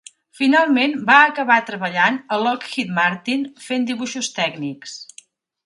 Finalment va acabar treballant per a Lockheed Martin fent dibuixos tècnics.